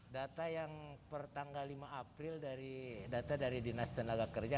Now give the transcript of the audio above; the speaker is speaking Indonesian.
data yang pertanggal lima april dari dinas tenaga kerja